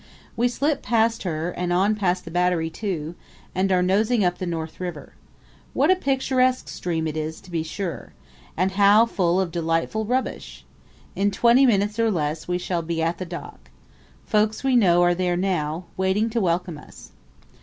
We slip past her and on past the Battery too; and are nosing up the North River. What a picturesque stream it is, to be sure! And how full of delightful rubbish! In twenty minutes or less we shall be at the dock. Folks we know are there now, waiting to welcome us.